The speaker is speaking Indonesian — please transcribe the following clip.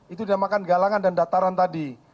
itu dinamakan galangan dan dataran tadi